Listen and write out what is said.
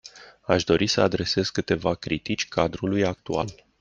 Aș dori să adresez câteva critici cadrului actual.